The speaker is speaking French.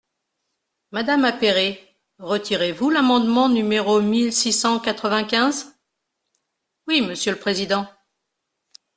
Madame Appéré, retirez-vous l’amendement numéro mille six cent quatre-vingt-quinze ? Oui, monsieur le président.